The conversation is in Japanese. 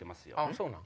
そうなの？